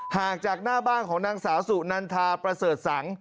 ห่างจากหน้าบ้านของนางสาวสุนันทาประเสริฐสัง